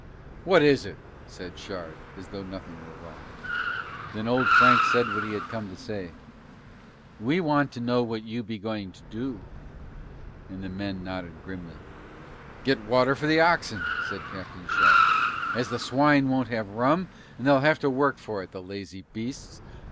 "What is it?" said Shard as though nothing were wrong. Then Old Frank said what he had come to say: "We want to know what you be going to do." And the men nodded grimly. "Get water for the oxen," said Captain Shard, "as the swine won't have rum, and they'll have to work for it, the lazy beasts.